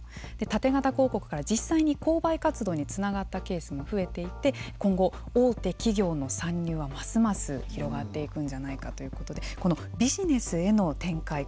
タテ型公告から実際に購買活動につながったケースも増えていて今後、大手企業の参入はますます広がっていくんじゃないかということでこのビジネスへの展開。